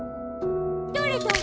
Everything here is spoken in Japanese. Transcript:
どれどれ？